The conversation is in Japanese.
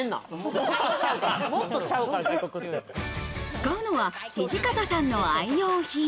使うのは土方さんの愛用品。